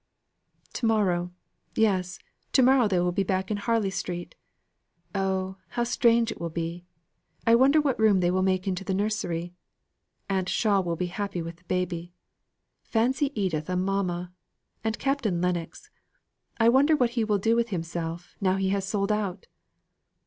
"To morrow yes, to morrow they will be back in Harley Street. Oh, how strange it will be! I wonder what room they will make into the nursery? Aunt Shaw will be happy with the baby. Fancy Edith a mamma! And Captain Lennox I wonder what he will do with himself now he has sold out!"